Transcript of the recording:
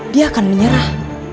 dia akan menyerah